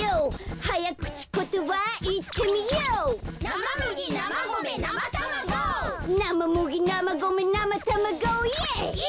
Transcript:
「はやくちことばいってみヨー！」「イェイ！」